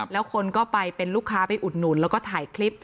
แล้วคนก็เป็นลูกค้าไปอุดหนุนถ่ายคลิป